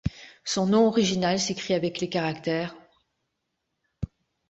Son nom original s'écrit avec les caractères 厳三.